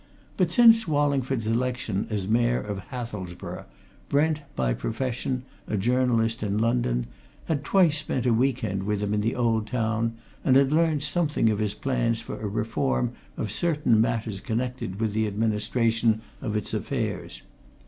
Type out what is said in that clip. But since Wallingford's election as Mayor of Hathelsborough Brent, by profession a journalist in London, had twice spent a week end with him in the old town, and had learnt something of his plans for a reform of certain matters connected with the administration of its affairs.